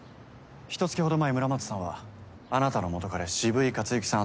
ひとつきほど前村松さんはあなたの元カレ渋井克行さん